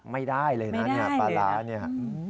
ไม่ได้เลยนะเนี่ยปลาร้าเนี่ย